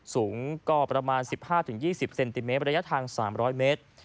สูงก็ประมาณ๑๕๒๐เซนติเมตรระยะทาง๓๐๐เมตร